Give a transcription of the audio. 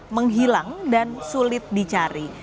menghilang dan sulit dicari